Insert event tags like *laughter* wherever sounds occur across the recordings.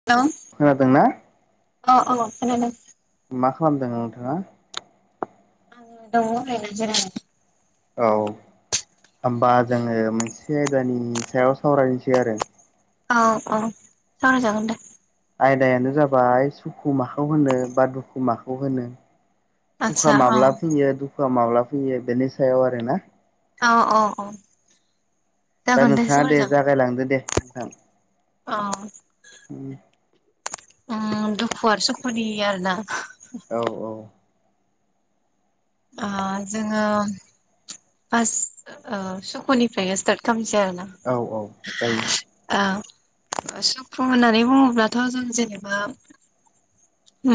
*unintelligible* खोनादोंना? अ अ खोनादों। मा खालामदों नोंथाङा? आं दङ ओरैनो जिरायनानै। औ होमबा जोङो मोनसे आयदानि सायाव सावरायनोसै आरो। औ औ सावरायजागोन दे। आयदायानो जाबाय सुखु माखौ होनो बा दुखु माखौ होनो? सुखुआ आदसा औ माब्ला फैयो दुखुआ माब्ला फैयो बेनि सायाव आरो ना। अ अ अ दा जागोन दे नोंथाङा सावराय जागोन। जागायलांदो दे औ। ओम। उ दुखु आर सुखुनि आरोना? औ औ। ओ जोङो फास ओ सुख'निफ्रायनो स्टार्ट खालामसै आरो ना? औ औ जायो। ओ सुखु होननानै बुङोब्लाथ' जों जेनोबा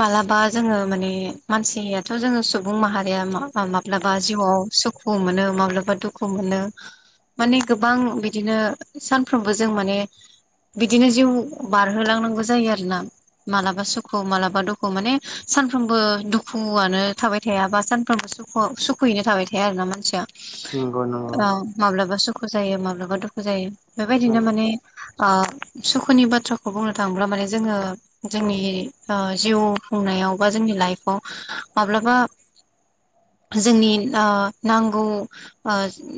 मालाबा जोङो माने मानसियाथ' जोङो सुबुं माहारिया माब्लाबा माब्लाबा जिउआव सु खु मोनो माब्लाबा दुखु मोनो माने गोबां बिदिनो सानफ्रोमबो जों माने बिदिनो जिउ बारहोलांनांगौ जायो आरोना। मालाबा सुखु मालाबा दुखु माने सानफ्रोमबो दुखुआनो थाबाय थायाबा सानफ्रोमबो सुखु खु सुखुयैनो थाबाय थाया आरो ना मानसिया। नंगौ नंगौ। औ माब्लाबा सुखु जायो माब्लाबा दुखु जायो बेबायदिनो माने ओ सुखुनि बाथ्राखौ बुंनो थाङोब्ला माने जोङो जोंनि ओ जिउ खुंनायाव बा जोंनि लाइफआव माब्लाबा जोंनि ओ नांगौ ओ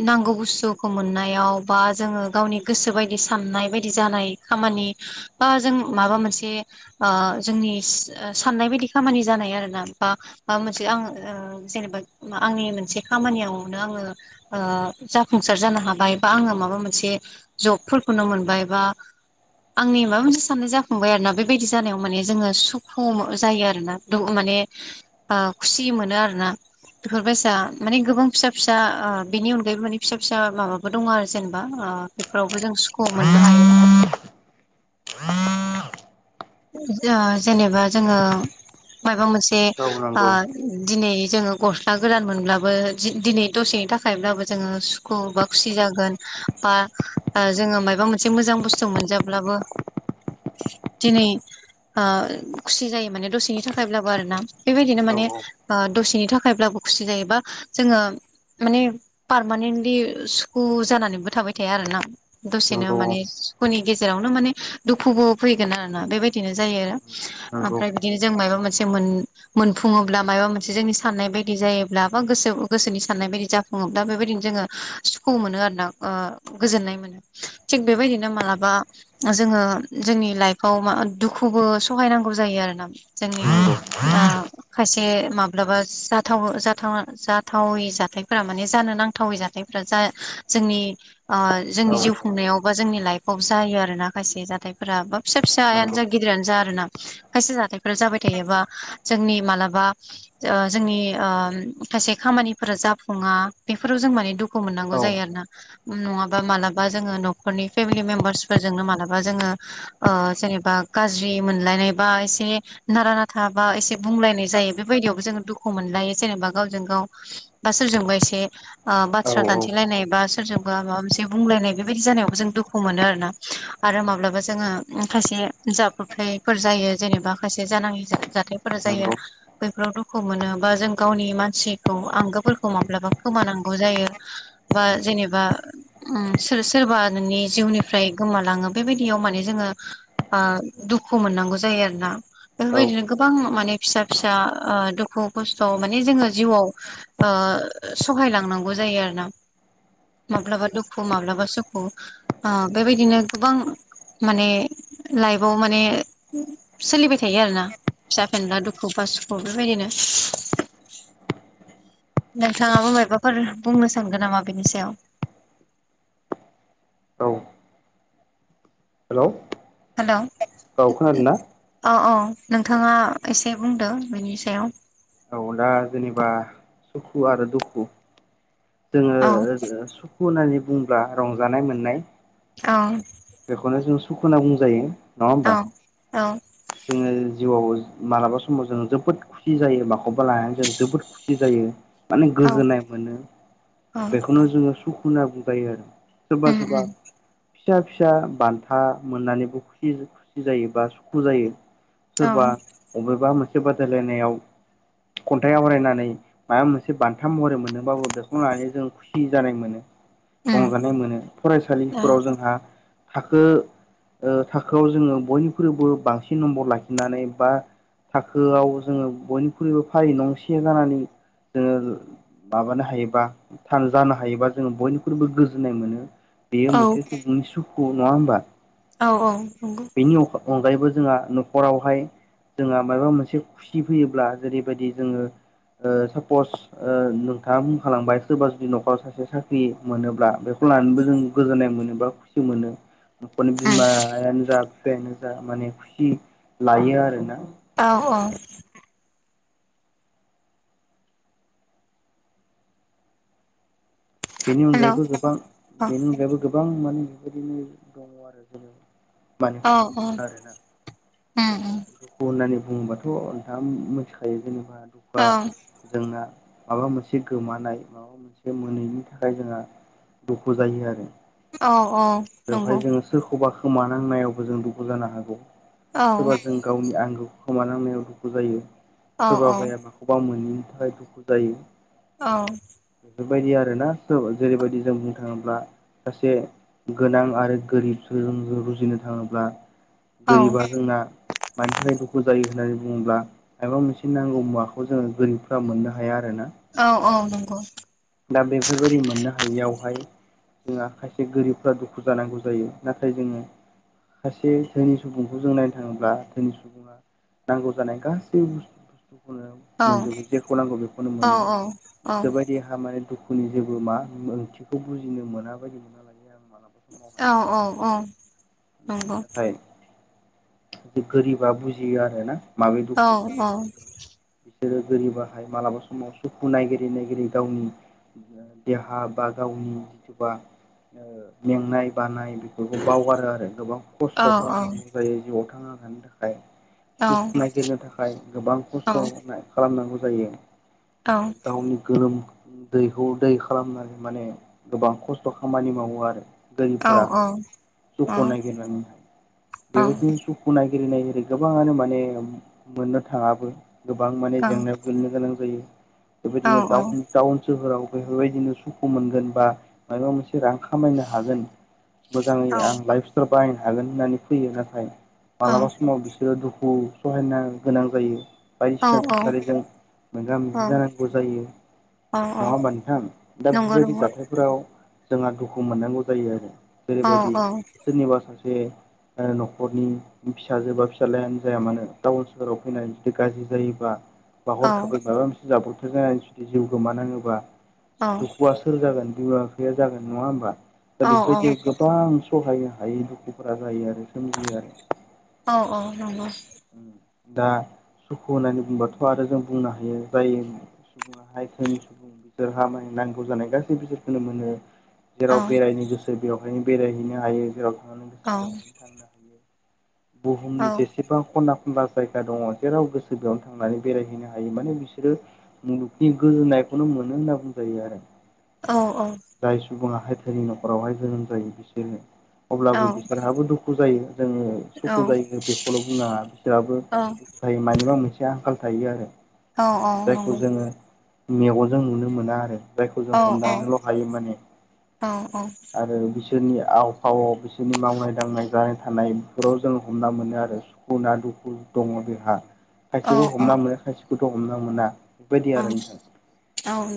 नांगौ बुस्थुखौ मोननायाव बा जोङो गावनि गोसो बायदि साननाय बायदि जानाय खामानि बा जों माबा मोनसे ओ जोंनि *unintelligible* साननाय बायदि खामानि जानाय आरोना बा माबा मोनसे आं ओ जेनैबा आंनि मोनसे खामानियावनो आङो ओ जाफुंसार जानो हाबाय बा आङो माबा मोनसे जबफोरखौनो मोनबाय बा आंनि माबा मोनसे साननाय जाफांबाय आरो ना बेबायदि जानायाव माने जोङो सुखु जायो आरो ना। माने ओ खुसि मोनो आरोना बेफोरबायसा माने गोबां फिसा फिसा ओ बिनि अनगायैबो माने फिसा फिसा माबाबो दङ आरो जेनेबा ओ बेफोरावबो जों सुखु मोननो हायो। ओ जेनेबा जोङो माबा मोनसे औ ओ नंगौ दिनै जोङो गस्ला गोदान मोनब्लाबो दिनै दसेनि थाखायब्लाबो जोङो सुखु बा खुसि जागोन। बा ओ जोङो मायबा मोनसे मोजां बुस्थु मोनजाब्लाबो दिनै ओ खुसि जायो माने दसेनि थाखायब्लाबो आरोना बेबायदिनो माने ओ दसेनि थाखायब्लाबो खुसि जायोबा जोङो माने पारमानेन्टलि सुखु जानानैबो थाबाय थाया आरो ना। दसेनो औ माने सुखुनि गेजेरावनो माने दुखुबो फैगोन आरोना बेबायदि बिदिनो जायो आरो नंगौ ओमफ्राय बिदिनो जों माबा मोनसे मोन मोनफुङोब्ला मायबा मोनसे जोंनि साननाय बायदि जायोब्ला बा गोसो गोसोनि साननाय बायदि जा दा बेबायदिनो जोङो सुखुआव मोनो आरोना गोजोननाय मोनो। थिग बेबायदिनो मालाबा जोङो जोंनि लाइफआव दुखुबो सहायनांगौ जायो आरो ना जोंनि औ ओ खायसे माब्लाबा जाथावा जाथावै जाथायफोरा माने जानो नांथावै जाथाय जा जोंनि ओ जोंनि जिउ नंगौ खुंनायाव बा जोंनि लाइफआवबो जायो आरो माखासे जाथायफोरा बा फिसा फिसा आयानो नंगौ जा गिदिरानो जा आरोना खायसे जाथायफोरा जाबाय थायोबा जोंनि मालाबा ओ जोंनि ओ खायसे खामानिफोरा जाफुङा बेफोराव जों माने दु खु मोननांगौ औ नंगौ जायो आरो ना नङाबा मालाबा जोङो न'खरनि फेमिलि मेम्बार्सफोरजोंनो मालाबा जोङो ओ जेनेबा गाज्रि मोनलायनाय बा एसे नारा नाथाबा एसे बुंलायनाय जायो बेबायदियावबो जोङो दुखु मोनलायो जेनेबा गावजों गाव बा सोरजोंबा एसे ओ औ बाथ्रा औ दान्थिलायनाय बा सोरजों बा माबा मोनसे बुंलायनाय बेबायदि जानायावबो जों दुखु मोनो आरोना आरो माब्लाबा जोङो माखायसे जाब्र'बथायफोर जायो जेनेबा खायसे जानाङि जाथायफोरा जायो। नंगौ बैफोराव दुखु मोनो बा जों गावनि मानसिखौ आंगोफोरखौ माब्लाबा खोमानांगौ जायो। बा जेनेबा उम सोरबा नोंनि जिउनिफ्राय गोमालाङो बेबायदियाव माने जोङो ओ दुखु मोननांगौ जायो आरो ना औ बेफोरबायदिनो गोबां माने फिसा फिसा ओ दुखु खस्थ' माने जोङो जिउआव ओ सहाय लांनांगौ जायो आरो ना माब्लाबा दुखु माब्लाबा सुखु ओ बेबायदिनो गोबां माने लाइफआव माने सोलिबाय थायो आरो ना फिसा फेनला दुखु बा सुखु बेबायदिनो नोंथाङाबो मायबाफोर बुंनो सानगोन नामा बेनि सायाव औ हेल' हेल' औ-औ नोंथाङा एसे बुंदो बेनि सायाव औ दा जेनेबा सुखु आरो दुखु जोङो औ खु होननानै बुंङोब्ला रंजानाय मोननाय। औ बेखौनो जों सुखु होनना बुंजायो नङा औ होमबा? औ जोङो जिउआव मालाबा समाव जों जोबोद खुसि जायो माखौ खौबा लानानै जों जोबोद खुसि जायो माने गोजोननाय मोनो औ बेखौनो जोङो सु खु होनना बुंजायो आरो सोरबा उम सोरबा उम फिसा फिसा बान्था मोननानैबो खुसि खुसि जायो बा सुखु जायो। औ सोरबा उम बबेबा मोनसे बादायलायनायाव खन्थाइ आवरायनानै माबा मोनसे बान्था महरै मोनदोंबाबो बेखौनो लानानै जों खु सि जानाय मोनो रंजानाय मोनो फरायसालिफोराव जोंहा थाखो ओ थाखोआव जोङो बयनिख्रुइबो बांसिन नम्बर लाखिनानै बा थाखोआव जोङो बयनिख्रुइबो फारि नंसे जानानै जोङो माबानो हायोबा जानो हायोबा जोङो बयनिख्रुबो गोजोननाय मोनो बेयो औ मोनसे सुबुंनि सुखु नङा होमबा औ-औ नंगौ। बेनि अनगायैबो जोंहा न'खरावहाय जोंहा माबा मोनसे खुसि फैयोब्ला जेरैबायदि जोङो ओ सापस ओ नोंथाङा मुंखालांबाय सोरबा जुदि न'खराव सासे साख्रि मोनोब्ला बे खौ लानोबो जों गोजोननाय मोनो बा खुसि मोनो न'खरनि बिमायानो जा बिफानो जा माने खुसि लायो आरोना औ-औ बेनि हेलौ अनगायैबो गोबां औ बेनि अनगायैबो गोबां माने बेबायदिनो दङ आरो जों मानि औ खुसि औ मोनो आरोना उम दा दुखु होननानै बुङोबाथ' नोंथाङा मिथिखायो जेनेबा दुखुआ उम जोंना माबा मोनसे गोमानाय माबा मोनसे मोनैनि थाखाय थाखाय जोंहा दुखु जायो आरो औ-औ बेवहाय नंगौ जोङो सोरखौबा खोमानांनायावबो जों दुखु जानो हागौ औ सोरबा जों गावनि आंगोखौ खोमानांनायाव दुखु जायो औ सोरबा बायाबा अबेबा मोनैनि थाखाय दुखु जायो औ बेफोरबायदि आरोना थ' जेरैबायदि जों बुंनो थाङोब्ला सासे गोनां आरो गोरिबजों जों रुजुनो थाङोब्ला औ नंगौ औ नंगौ औ गोरिबा जोंना मानि थाखाय दुखु जायो होननानै बुङोब्ला मबेबा मोनसे नांगौ मुवाखौ जोङो गोरिबफ्रा मोननो हाया आरो ना औ-औ नंगौ दा बेफोरबायदि मोननो हायैयावहाय जोंहा खायसे गोरिबफ्रा दुखु जानांगौ जायो नाथाय जोङो सासे धोनि सुबुंखौ जों नायनो थाङोब्ला धोनि सुबुङा नांगौ जानाय गासैबो बुस्थुखौनो मोनजोबो जेखौ नांगौ बेखौनो औ मोनो औ औ गोसोबायदि माने दुखुनि जेबो मा ओंथिखौ बुजिनो मोना बायदिखौ *unintelligible* औ-औ-औ नाथाय गोरिबा बुजियो आरोना माबे दुखु माबे सुखु बिसोरो गोरिबाहाय मालाबा समाव सुखु नायगिरै नायगिरै गावनि देहा बा गावनि जिथुबा मेंनाय बानाय बेफोरखौ बावगारो आरो गोबां खस्थ' खालामनांगौ जायो जिउआव थांना थानो थाखाय सुख नागिरनो थाखाय गोबां खस्थ' खालामनांगौ जायो औ गावनि गोलोमदैखौ दै खालामनानै माने गोबां खस्थ' खामानि मावो आरो गोरिबफोरा सुखुखौ नागिरनानैहाय बेबायदिनो नायगिरै नायगिरै गोबाङानो माने मोननो थाङाबो गोबां माने जेंनायाव गोग्लैनो गोनां जायो बेबायदिनो टाउन टाउन सोहोराव बेफोरबायदिनो सुखु मोनगोन बा माबा मोनसे रां खामायनो हागोन मोजाङै आं लाइफ स्टाइल बाहायनो हागोन होननानै फैयो नाथाय मालाबा समाव बिसोर दुखु सहायनो गोनां जायो बायदिसिना थासारिजों मोगा मोगि जानांगौ जायो। नङा होनबा नोंथां दा बेफोरबायदि जाथायफोराव जोंहा दुखु मोननांगौ जायो आरो जेरैबायदि औ सोरनिबा सासे न'खरनि फिसाजो बा फिसाज्लायानो जाया मानो टाउन सोहोराव फैनानै जुदि गाज्रि जायोबा बा औ हरखाबै माबा मोनसे जाब्रबथाय जानानै जुदि जिउ गोमानांङोबा औ दुखुआ सोर जागोन बिमा बिफाया जागोन नङा होमबा औ दा बेफोरबायदि गोबां सहाय हायै दुखुफोरा जायो आरो सोमजियो आरो औ-औ नंगौ दा सुखु होननानै बुंबाथ' आरो जों बुंनो हायो जाय सुबुङाहाय धोनि सुबुं बिसोरहा माने नांगौ जानाय गासै बेसादखौनो मोनो औ जेराव बेरायनो गोसो बेवहायनो बेरायहैनो हायो जेराव थांनो औ गोसो बेवहायनो थांनो हायो औ बुहुमनि जेसेबां खना खनला जायगा दङ राव गोसो बेयावनो थांनानै बेरायहैनो हायो माने बिसोरो मुलुगनि गोजोननायखौनो मोनो होनना बुंजायो आरो औ-औ जाय सुबुङा हायथनि न'खरावहाय जोनोम जायो बिसोरो औ अब्लाबो बिसोरहाबो दुखु जायो जोङो सुखु जायो बेखौल' बुंनो हाया बिसोरहाबो औ नंगौ औ दुखु मानिबा मोनसे आंखाल थायो आरो औ औ जायखौ जोंङो। मेगनजों नुनो मोना आरो जायखौ जों हमदांनोल' हायो माने आरो बि बिसोरनि आव फावाव बिसोरनि मावनाय दांनाय जानाय थानाय बेफोराव जों हमना मोनो आरो दुखु ना दुखु दङ जोंहा खायसेखौ हमना मोनो खायसेखौथ' हमना मोना बेबायदि आरो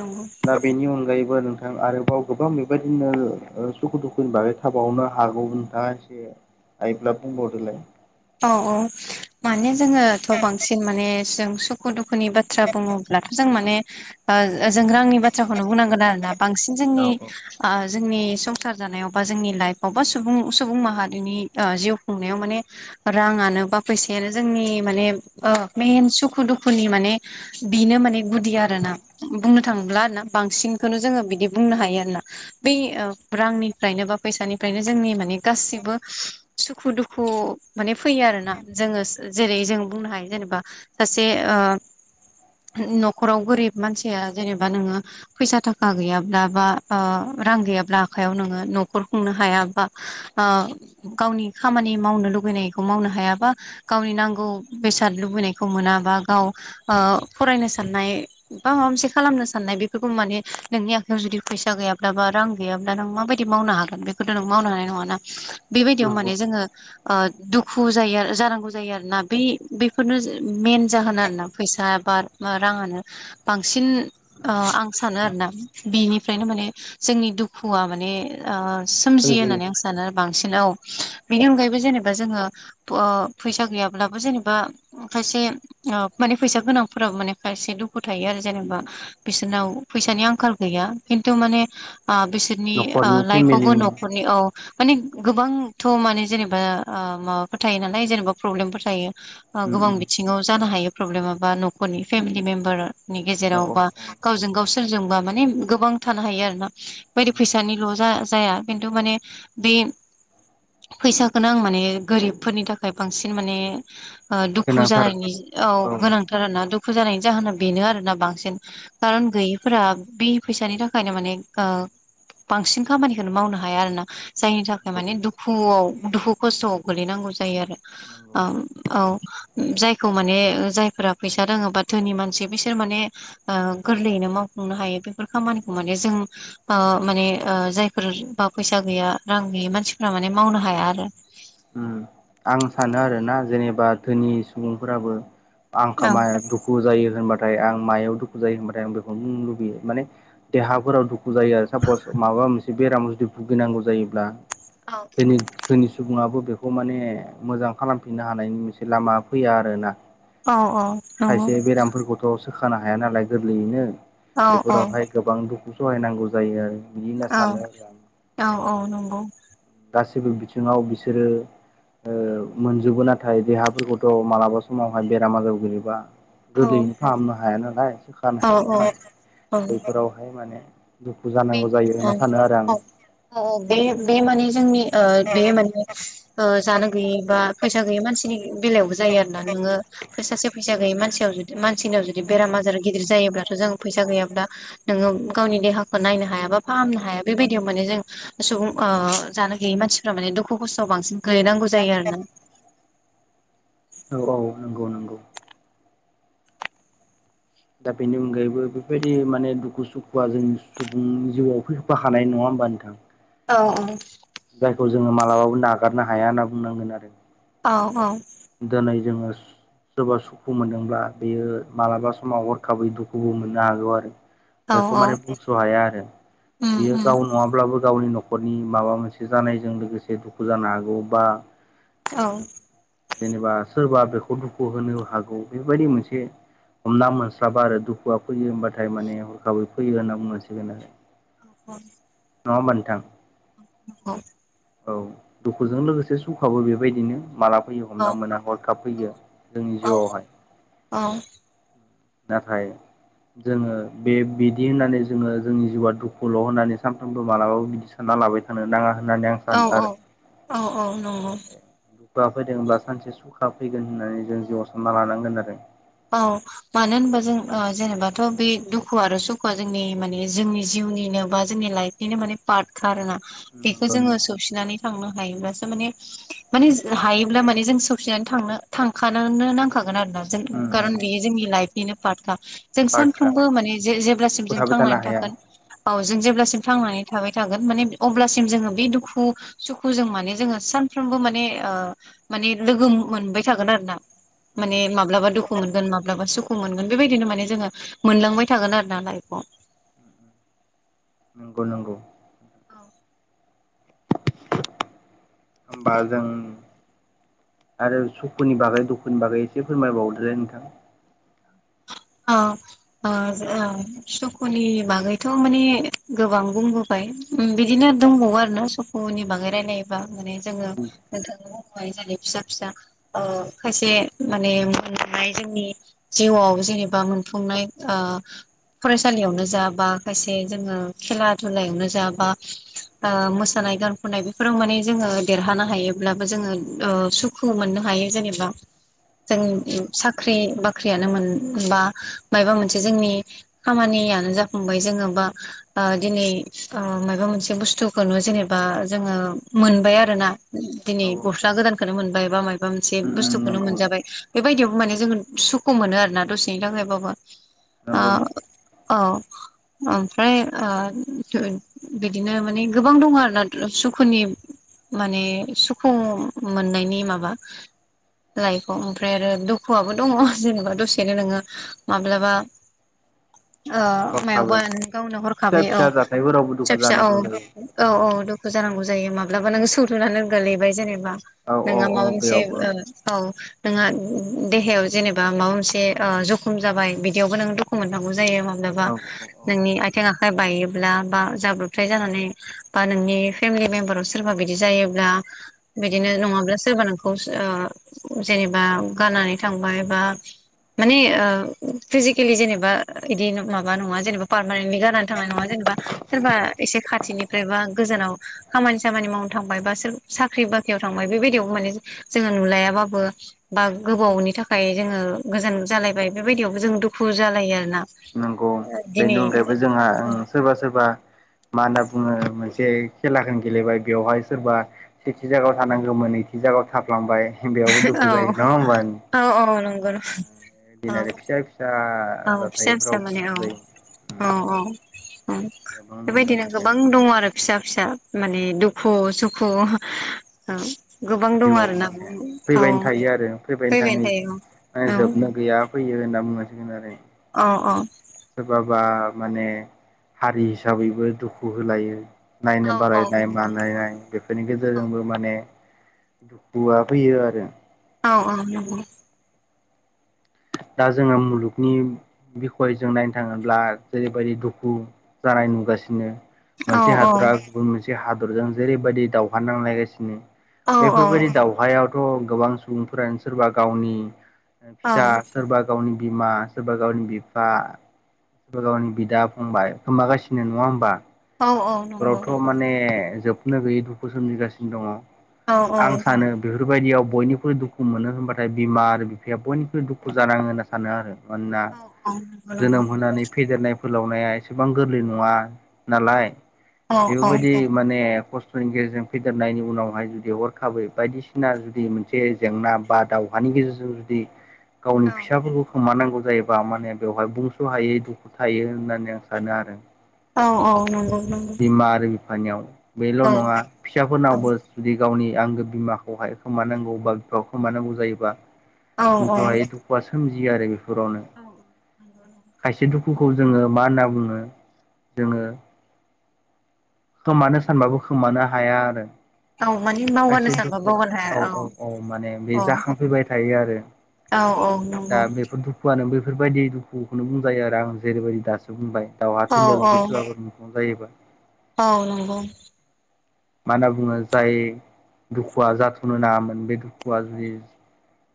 नंगौ बेनि अनगायैबो नोंथां आरोबाव गोबां बेबायदिनो सुखु दुखुनि बागै थाबावनो हागौ मानसे आइब्ला बुंबावदोलाय औ औ माने जोङोथ' बांसिन माने जों सु दुखु दुखुनि बाथ्रा बुङोब्लाथ' जों माने ओ जों रांनि बाथ्राखौनो बुंनांगोन आरोना बांसिन औ जोंनि जोंनि संसार जानायाव बा जोंनि लाइफआव बा सुबुं सुबुं माहारिनि जिउ खुंनायाव माने राङानो बा फैसायानो जोंनि माने मेेन सुखु दुखुनि माने बेनो माने गुदि आरोना बुंनो थांब्ला ना बांसिनखौनो जोङो बिदि बुंनो हायो आरोना बै रांनिफ्रायनो बा फैसानिफ्रायनो जोंनि माने गासिबो सुखु दुखु माने फैयो आरो ना जोङो जेरै जों बुंनो हायो जेनेबा सासे ओ न'खराव गोरिब मानसिया जेनेबा नोङो फैसा थाखा गैयाब्ला बा ओ रां गैयाब्ला आखायाव नोङो न'खर खुंनो हायाबा गावनि खामानि मावनो लुबैनायखौ मावनो हायाबा गावनि नांगौ बेसाद लुबैनायखौ मोना बा गाव ओ फरायनो साननाय बा माबा मोनसे खालामनो साननाय बेफोरखौ माने नोंनि आखायाव जुदि फैसा गैयाब्ला बा रां गैयाब्ला नों माबायदि मावनो हागोन। बेखौथ' नों मावनो हानाय नङ ना बेबायदियाव औ नंगौ माने जोंङो दुखु जायो जानांगौ जायो आरोना बे बेफोरनो मेन जाहोन आरोना फैसा बाद राङानो बांसिन आं सानो आरो ना बिनिफ्रायनो माने जोंनि दुखुआ माने ओ सोमजियो होननानै आं सानो आरो बांसिन औ बिनि अनगायैबो जेनेबा बा जोङो ओ फैसा गैयाब्लाबो जेनेबा खायसे माने फैसा गोनांफोराव माने खायसे दुखु थायो आरो जेनेबा बिसोरनाव फैसानि आंखाल गैया खिन्थु माने बिसोर न'खरनि लाइफआवबो फेमिलिनि न'खरनि औ माने गोबांथ' माने जेनेबा ओ माबाफोर थायो नालाय जेनेबा प्रब्लेमफोर थायो। उम गोबां उम बिथिङाव जानो हायो प्रब्लेम बा न'खरनि फेमिलि मेम्बारनि औ गेजेराव औ बा औ गावजों गाव सोरजोंबा माने गोबां थानो हायो आरो ना बे बायदि नंगौ फैसानिल' जा जाया खिन्थु माने बे फैसाखौनो आं माने गोरिबफोरनि थाखाय बांसिन माने दुखु गोनांथार जानायनि औ गोनां थार ना दुखु जानायनि जाहोना बेनो आरोना बांसिन खारन गैयिफोरा बे फैसानि थाखायनो माने बांसिन खामानिखौनो मावनो हाया आरोोना जायनि थाखाय नंगौ माने दुखुआव दुखु खस्थ'आव गोलैनांगौ जायो आरो नंगौ औ जायखौ माने जायफोरा फैसा रोङो बा धोनि मानसि बिसोर माने ओ गोरलैयैनो मावफुंनो हायो बेफोर खामानिखौ माने जों ओ माने ओ जायफोर बा फैसा गैया रां गैयि मानसिफोरा माने मावनो हाया आरो आं सानो आरो ना जेनेबा धोनि सुबुंफोराबो आंखा औ माइ दुखु दुखु जायो होनबाथाय आं मायाव दुखु जायो होनबाथाय आं बेखौनो बुंनो लुबैयो माने देहाफोराव दुखु जायो आरो सापस माबा मोनसे बेराम जुदि भुगिनांगौ जायोब्ला। औ जोंनि जोनि सुबुङाबो बेखौ माने मोजां खालामफिननो हानायनि मोनसे लामा फैया आरो ना नंगौ खायसे बेरामफोरखौथ' सोखानो हाया नालाय गोरलैयैनो औ औ बेफोरावहाय गोबां दुखु सहायनांगौ जायो आरो बिदि होनना औ सानो आरो आं औ औ नंगौ गासैबो बिथिङाव बिसोरो मोनजोबो नाथाय देहाफोरखौथ' मालाबा समावहाय बेराम आजार गो्लैयोबा औ गोरलैयैनो फाहामनो हाया नालाय सोखानो औ हाया औ नालाय औ बैफोरावहाय माने दुखु जानांगौ जायो होनना सानो आरो आं औ बे बे माने जोंनि बे माने जानो गैयै बा फैसा गैयि मानसिनि बेलायावबो जायो आरो ना नोङो फोसाासे फैसा गैयै मानसियाव जु मानसिनियाव जुदि बेराम आजार गिदिर जायोब्लाथ' जों फैसा गैयाब्ला नोङो गावनि देहाखौ नायनो हायााबा फाहामनो हाया बेबायदियाव माने जों सुबुं जानो गैयै मानसिफ माने दुखु खस्थ'आव बांसिन गोलैनांगौ जायो आरो ना औ औ नंगौ नंगौ दा बेनि अनगायैबो बेफोरबायदि माने दुखु सुखुआ जोंनि सुबुंनि जिउआव फैबो हानाय नङा होमबा नोंथां औ औ जायखौ जोङो मालाबाबो नागारनो हाया होनना बुंनांगोन आरो औ औ दिनै जोङो सोरबा सुखु मोनदोंब्ला बेयो मालाबा समाव हरखाबै दुखुबो मोननो हागौ आरो औ बेखौ औ माने बुंस' हाया आरो उम बियो उम गावनो नङाब्लाबो गावनि न'खरनि माबा मोनसे जानायजों लोगोसे दुखु जानो हागौ बा औ जेनेबा सोरबा बेखौ दुखु होनो हागौ बेबायदि मोनसे हमना मोनस्लाबा आरो दुखुआ फैयो होनबाथाय माने हरखाबै फैयो होनना बुंनांसिगोन आरो अ न' मोनान्थां औ औ दुखुजों लोगोसे सखाबो बेबायदिनो मालाब फैयो औ हमना मोना हरखाब फैयो जोंनि जिउआवहाय औ नाथाय जोङो बे बिदि होननानै जोङो जोंनि जिउआ दुखुल' होननानै सानफ्रोमबो मालाबाबो बिदि स सानना लाबाय थानो नाङा होननानै आं औ सानो औ आरो औ औ नंगौ वा फैदोंब्ला सानसे सुखा फैगोन होननानै जों जिउआव सानना लानांगोन आरो औ मानो होनबा जों जेनेबाथ' बे दुखुआ आरो सुखुआ जोंनि माने जोंनि जिउनिनो बा जोंनि लाइफ बिदिनो माने पार्टखा आरोना बेखौ नंगौ नंगौ जोङो सौसिनानै थांनो हायोब्लासो माने माने हायोब्ला माने जों सौफनानै थांनो थांखानो नांखागोन आरोना जों उम उम कारन बेयो जोंनि लाइफनिनो पार्टखा जों पार्टखा सानफ्रोमबो माने जे-जेब्लासिम दुखु जों थाबाय थानो थांनानै हाया थागोन औ जों जेब्लासिम थांनानै थाबाय थागोन माने अब्लासिम जोङो बे दुखु सुखुजों माने जोङो सानफ्रोमबो माने माने लोगो मोनबाय थागोन आरो ना उम माने माब्लाबा दुखु मोनगोन माब्लाबा मा सुखु मोनगोन बेबायदिनो माने जोङो मोनलांबाय थागोन आरो ना लाइफखौ नंगौ नांगौ औ हबा जों आरो सुखुनि बागै दुखुनि बागै एसे फोरमायबावदोलाय नोंथां ओ ओ ओ जो ओ सुखुनि बागैथ' माने गोबां बुंबोबाय उम बिदिनो दंबावो आरोना स खुनि बागै रायलायोबा माने जोङो नोंथांनि मुंखौहाय जेरै फिसा फिसा ओ खायसे माने मोननाय जोंनि जिउआव जेनेब बा मोनफुंनाय ओ फरायसालियावनो जा बा खायसे जोङो खेला धुलायावनो जा बा ओ मोसानाय गान खननाय बेफोराव माने जोङो देरहानो हायोब्लाबो जोङो ओ सुख खु मोननो हायो जेनेबा जों नंगौ नंगौ साख्रि बाख्रियानो मोन बा मायबा मोनसे जोंनि खामानियानो जाफुंबाय जोङो बा बा दिनै ओ मायबा मोनसे बुस्थुखौनो जेनेबा जोङो मोनबाय आरोना दिनै औ गस्ला गोदानखोनो मोनबाय बा मायाबा मोनसे उम उम बुस्थुखौनो नंगौ मोनजाबाय बेबायदियावबो माने जों सुख सुखु मोनो आरोना दसेनि थाखायबाबो ओ नंगौ नंगौ औ ओमफ्राय ओ बिदिनो माने गोबां दं आरोना सुखुनि माने सुखु मोननायनि माबा लाइफआव ओमफ्राय आरो दुखुआबो दङ जेनेबा दसे सेनो नोङो माब्लाबा ओ मायावबा हरखाबै गावनो फिसा हरखाबाय औ फिसा जाथायफोरावबो फिसा दुखु फिसा औ जानांगौ जायो औ औ दुखु जानांगौ जायो माब्लाबा नोङो सौथुनानै गोलैबाय जेनेबा औ औ नोंहा औ माबा मोनसे बेयावबो ओ औ नोंहा देहायाव जेनेबा माबा मोनसे ओ जखम जाबाय बिदियावबो नों दुखु मोननांगौ जायो माब्लाबा औ औ औ नोंनि आथिं आखाइ बायोब्ला बा जाब्रबथाय जानानै बा नोंनि फेमिलि मेम्बाराव सोरबा बिदि जायोब्ला बिदिनो नंगौ नङाब्ला सोरबा नोंखौस ओ जेनेबा गारनानै थांबाय बा माने ओ फिजिकेलि जेनेबा इदि माबा नङा जेनेबा पारमानेन्टलि गारनानै थांनाय नङा जेनेबा सोरबा एसे खाथिनिफ्राय बा गोजानाव खामानि सामानि मावनो थांबाय बा सोर साख्रि बाख्रियाव थांबाय बेबायदियाव माने जोङो नुलायाबाबो बा गोबावनि थाखाय जोङो गोजान जालायबाय बेबायदियावबो जों दुखु जालायो आरोना। नंगौ बेनि दिनै अनगायैबो जोंहा उम सोरबा सोरबा मा होनना बुङो मोनसे खेलाखौ गेलेबाय बेवहाय सोरबा सेथि जायागायाव थानांगौमोन नैथि जायगायाव थाफ्लांबाय बेयावबो दुखु औ जायो नङा होमबा औ औ नंगौ नंगौ! दिन आरो फिसा फिसा औ फिसा फिसा जाथायफोरावबो माने दुखु औ जायो औ औ औ गोबां नुनो बेबायदिनो मोनो गोबां दङ आरो फिसा-फिसा माने दुखु-सुखु औ गोबां दङ जिउआव आरो ना माने औ फैबायनो थायो आरो फैबायनो फैबायानो थाङै थायो औ। माने जोबनो गैया फैयो होनना बुंनांसिगोन आरो। अ अ सोरबाबा माने हारि हिसाबैबो दुखु होलायो। औ नायनो औ बालायनाय नंगौ मानाय बेफोर बेनि गेजेरजोंबो माने दुखुआ फैयो आरो। औ औ नंगौ दा जोंहा मुलुगनि बिखयजों नायनो थाङोब्ला जेरैबायदि दुखु जानाय नुगासिनो औ मोनसे औ हादरा गुबुन मोनसे हादरजों जेरैबायदि दावहा नांलायगासिनो औ औ नंगौ बेफोरबायदि दावहायावथ' गोबां सुबुंफोरानो सोरबा गावनि फिसा औ सोरबा गावनि बिमा सोरबा गावनि बिफा गावनि बिदा फंबाय गोमागासिनो नङा होनोमबा औ औ नंगौ नंगौ बेफोरावथ' माने जोबनो गैयै दुखु सोमजिगासिनो दङ। औ आं सानो बेफोरबायदियाव बयनिख्रुइ मोनो होनबाथाय बिमा आरो बिफाया बयनिख्रुइ दुखु जानाङो होनना सानो आरो। मानोना औ जोनोम होनानै फेदेरनाय फोलावनाया एसेबां गोरलै नङा नालाय बेफोरबायदि माने खस्थ'नि गेजेरजों फेदेरनायनि उनावहाय जुदि हरखाबै बायदिसिना जुदि मोनसे जे जेंना बा दावहानि गेजेरजों जुदि गावनि फिसाफोरखौ खोमानांगौ जायोबा माने बेवहाय बुंस' हायै दुखु थायो होननानै आं सानो आरो। औ औ नंगौ। नंगौ औ बिमा आरो बिफानियाव बेल' नङा फिसाफोरनावबो जुदि गावनि आंगो बिमाखौहाय खोमानांगौ बा बिफाखौ खोमानांगौ जायोबा औ औ मुज'हायै दुखुआ सोमजियो आरो बेफोरावनो खायसे दुखु खुखौ जोङो मा होनना बुङो जोङो खोमानो सानबाबो खोमानो हाया आरो। औ माने मावगारनो खायसे सानबा दुखुआ मावगारनो हाया औ औ औ माने बे औ जाखांफैबाय थायो आरो। औ औ दा नंगौ। बेफोर दुखुआनो बेफोरबायदि दुखुखौनो बुंजायो आरो आं जेरैबायदि दासिम बुंबाय दावहा औ थिलियाव औ जुदि सोरबाफोर मुंख्लं जायोबा औ नंगौ मा होनना बुङो जाय दुखुआ जाथ'नो नाङामोन बे दुखुआ जुदि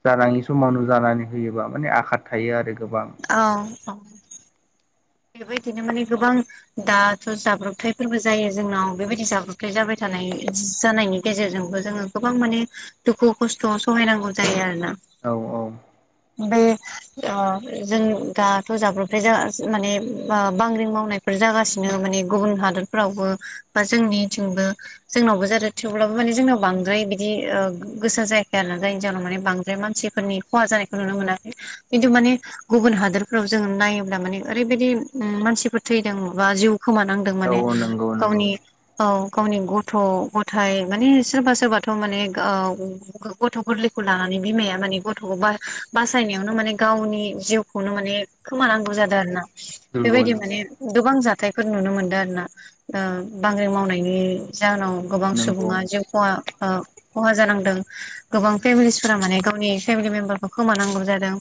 जानाङि समावनो जानानै होयोबा माने आघाट थायो आरो गोबां औ औ बेबायदिनो माने गोबां दाथ' जाब्रबथायफोरबो जायो जोंनाव बेबायदि जाब्रबथाय जाबाय थानाय जानायनि गेजेरजोंबो जोङो गोबां माने दुखु-खस्थ' सहायनांगौ जायो आरो ना। औ औ ओमफ्राय ओ जों दाथ' जाब्रबथाय जा माने बा-बांग्रिं मावनायफोर जागासिनो माने गुबुन हादोरफोरावबो बा जोंनिथिंबो। जोंनावबो जादों थेवब्लाबो माने जोंनाव बांद्राय बिदि ओ गोसा जायाखै आरो ना जायनि जाहोनाव माने बांद्राय मानसि- फोरनि खहा जानायखौ नुनो मोनाखै। खिन्थु माने गुबुन हादोरफ्राव जों नायोब्ला माने ओरैबायदि मानसिफोर थैदों बा जिउ खोमानांदों औ माने औ नंगौ नंगौ गावनि औ गावनि गथ'-गथाइ माने सोरबा सोरबाथ' माने ओ गथ' गोरलैखौ लानानै बिमाया माने गथ'खौ बा बासायनायावनो माने गावनि जिउखौनो माने खोमानांगौ जादों आरो ना नंगौ बेबायदि नंगौ माने गोबां जाथायफोर नुनो मोनदों आरो ना ओ बांग्रि मावनायनि जाहोनाव गोबां नंगौ सुबुङा जिउ खहा ओ खहा जानांदों गोबां फेमिलिसफोरा माने गावनि फेमिलि मेम्बारखौ खोमानांगौ जादों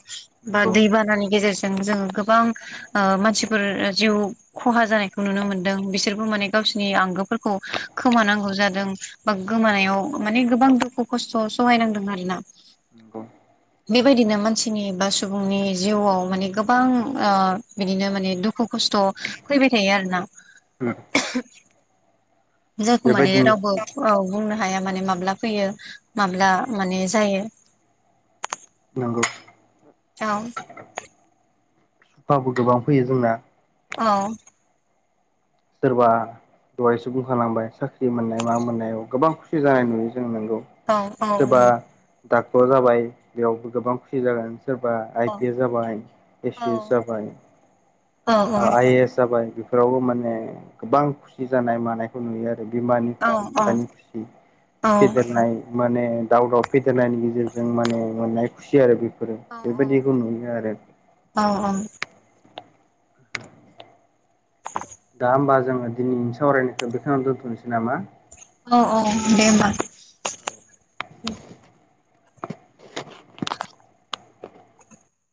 बा नंगौ दैबानानि गेजेरजों जों गो- गोबां ओ मानसिफोर जिउ खहा जानायखौ नुनो मोनदों बिसोरबो माने गावसिरनि आंगोफोरखौ खोमानांगौ जादों। बा गोमानायाव माने गोबां दुखु खस्थ' सहायनांदों आरो ना। नं बेबायदिनो मानसिनि बा सुबुंनि जिउआव माने गोबां ओ बिदिनो माने दुखु खस्थ' फैबाय थायो आरोना। उम जायखौ माने बेबायदिनो रावबो औ बुंनो हाया माने माब्ला फैयो माब्ला माने जायो। नंगौ औ सुखाबो गोबां फैयो जोंना। औ सोरबा दहायसो बुंखालांबाय साख्रि मोन माबा मोननायाव गोबां खुसि जानाय नुयो जों नंगौ औ सोरबा नंगौ दाक्टर जाबाय बेयावबो गोबां खुसि जागोन। सोरबा आइ पि एस जाबाय ए औ सि एस जाबाय ओ औ आइ ए एस जाबाय बेफोरावबो माने गोबां खुसि जानाय मानायखौ नुयो आरो। बिमानि औ खुसि बिफानि खुसि फेदेरनाय माने दाव दाव फेदेरनायनि गेजेरजों माने मोननाय खुसि आरो बे औ औ औ औ। दा होमबा जोङो दिनैनि सावरायनायखौ बेखौनो दोनथनोसै नामा? औ औ दे होमबा। औ